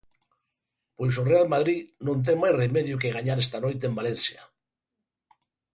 Pois o Real Madrid non ten máis remedio que gañar esta noite en Valencia.